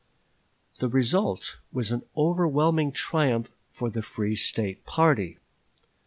The result was an overwhelming triumph for the free State party.